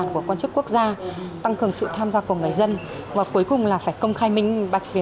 khoá của quốc gia tăng cường sự tham gia của người dân và cuối cùng là phải công khai minh bạch về